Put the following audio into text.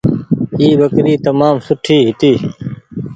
اي ٻڪري تمآم سوٺي هيتي۔